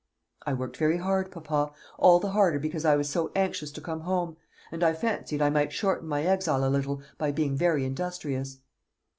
"I worked very hard, papa; all the harder because I was so anxious to come home; and I fancied I might shorten my exile a little by being very industrious."